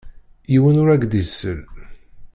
Yiwen ur ak-d-isell.